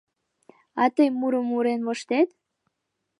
А тый мурым мурен моштет?